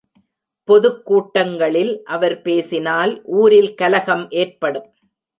பொதுக் கூட்டங்களில் அவர் பேசினால் ஊரில் கலகம் ஏற்படும்.